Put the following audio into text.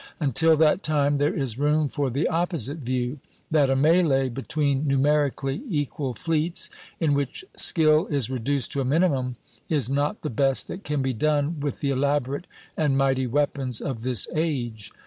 Until that time there is room for the opposite view, that a mêlée between numerically equal fleets, in which skill is reduced to a minimum, is not the best that can be done with the elaborate and mighty weapons of this age.